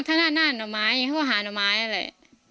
ส่วนมากถ้าหน้าหน่อไม้เขาก็หาหน่อไม้อะไร